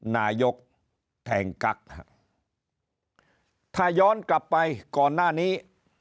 นายกแทงกั๊กฮะถ้าย้อนกลับไปก่อนหน้านี้